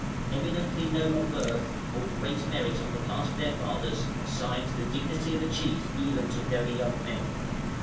Eminently noble birth, or great merit on the part of their fathers, assigns the dignity of a chief even to very young men.